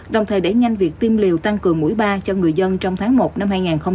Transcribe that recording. đồng thời đẩy nhanh việc tiêm liều tăng cường mũi ba cho người dân trong tháng một năm hai nghìn hai mươi